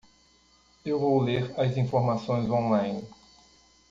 Eu vou ler as informações online.